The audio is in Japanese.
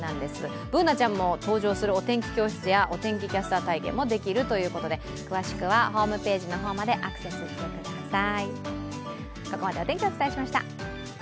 Ｂｏｏｎａちゃんも登場するお天気キャスター体験もできるということで、詳しくはホームページの方までアクセスしてください。